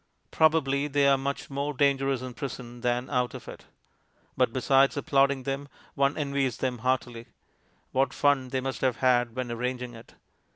Probably they are much more dangerous in prison than out of it. But besides applauding them, one envies them heartily. What fun they must have had when arranging it!